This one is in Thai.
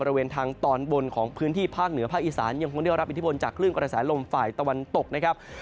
บริเวณทางตอนบนของพื้นที่ภาคเหนือภาคอีสานยังคงได้รับอิทธิพลจากคลื่นกระแสลมฝ่ายตะวันตกนะครับ